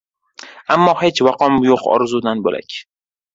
Ammo hech vaqom yoʻq orzudan boʻlak.